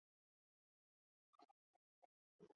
维拉港和卢甘维尔有一些的士和小型巴士。